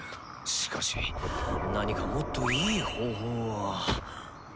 しかし何かもっといい方法は。